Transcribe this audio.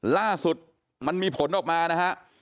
ล่าสุดมันมีผลออกมานะฮะ